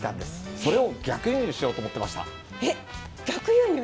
それを逆輸入しようと思いました。